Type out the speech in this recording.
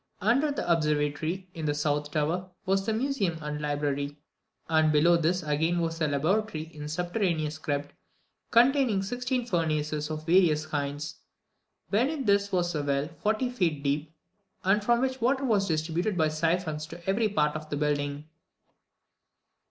Under the observatory, in the south tower, was the museum and library, and below this again was the laboratory in a subterraneous crypt, containing sixteen furnaces of various kinds. Beneath this was a well forty feet deep, from which water was distributed by syphons to every part of the building.